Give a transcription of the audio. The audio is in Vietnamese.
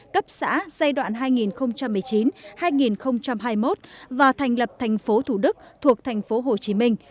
cấp xã giai đoạn hai nghìn một mươi chín hai nghìn hai mươi một và thành lập thành phố thủ đức thuộc thành phố hồ chí minh